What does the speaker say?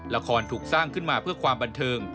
ละครถูกสร้างขึ้นมาเพื่อความบันเทิง